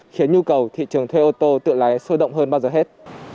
khiến nhu cầu thị trường thuê ô tô tự lái sôi động hơn bao giờ hết